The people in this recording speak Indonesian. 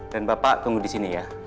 dan bapak tunggu disini ya